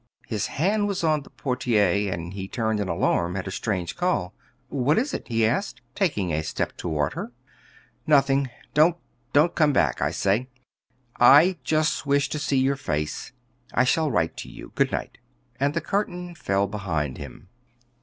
His hand was on the portiere, and he turned in alarm at her strange call. "What is it?" he asked, taking a step toward her. "Nothing. Don't don't come back, I say. I just wished to see your face. I shall write to you. Good night." And the curtain fell behind him.